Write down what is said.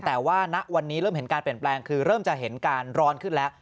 แต่ว่าณวันนี้เริ่มเห็นการเปลี่ยนแปลงคือเริ่มจะเห็นการร้อนขึ้นแล้ว